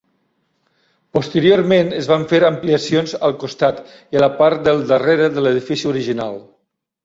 Posteriorment es van fer ampliacions al costat i a la part del darrere de l'edifici original.